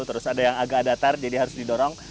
terus ada yang agak datar jadi harus didorong